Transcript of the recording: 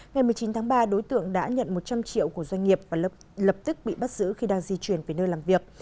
ngày một mươi chín tháng ba đối tượng đã nhận một trăm linh triệu của doanh nghiệp và lập tức bị bắt giữ khi đang di chuyển về nơi làm việc